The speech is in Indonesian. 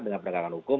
dengan penegakan hukum